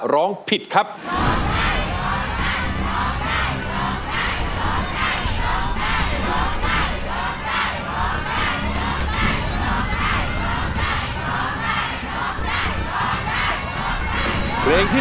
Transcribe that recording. ร้องตายเห็นตา